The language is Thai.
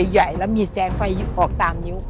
ใหญ่แล้วมีแสงไฟออกตามนิ้ว